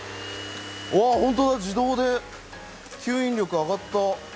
本当だ、自動で吸引力、上がった！